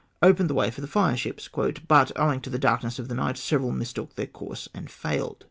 opened the way for the fire ships, " but, owing to the darkness of the night, several mistook their com se and fliiled."